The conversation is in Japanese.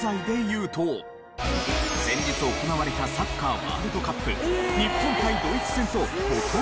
先日行われたサッカーワールドカップ日本対ドイツ戦とほとんど同じ。